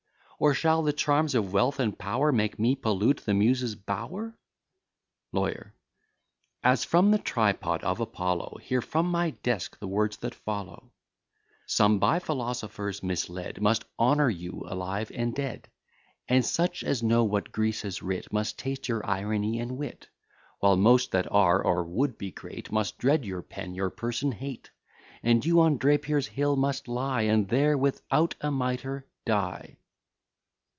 Or shall the charms of Wealth and Power Make me pollute the Muses' bower? LAWYER As from the tripod of Apollo, Hear from my desk the words that follow: "Some, by philosophers misled, Must honour you alive and dead; And such as know what Greece has writ, Must taste your irony and wit; While most that are, or would be great, Must dread your pen, your person hate; And you on Drapier's hill must lie, And there without a mitre die."